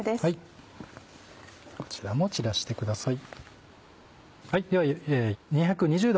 こちらも散らしてください。